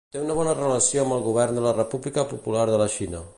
Té una bona relació amb el govern de la República Popular de la Xina.